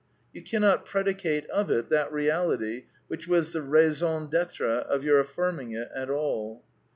You cannot predicate of it that reality which was the raison d'etre of your af firming it at all.